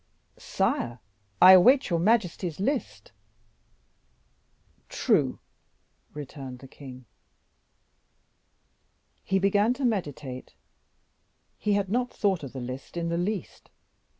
"Sire, I await your majesty's list." "True," returned the king; and he began to meditate; he had not thought of the list in the least.